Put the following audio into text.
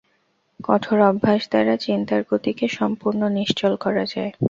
কঠোর অভ্যাস দ্বারা চিন্তার গতিকে সম্পূর্ণ নিশ্চল করা যায়।